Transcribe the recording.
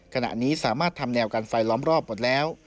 ขณะนี้สามารถทำแนวกันไฟล้อมรอบหมดแล้ว